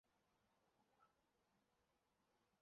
属邕州羁縻。